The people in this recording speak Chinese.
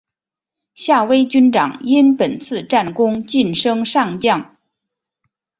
夏威军长因本次战功晋升上将。